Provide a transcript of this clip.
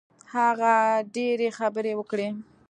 هغه ډېرې خبرې وکړې.